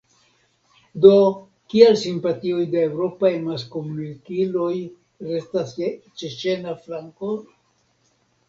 Do kial simpatioj de eŭropaj amaskomunikiloj restas je ĉeĉena flanko?